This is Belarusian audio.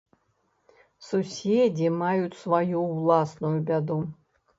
Суседзі маюць сваю ўласную бяду.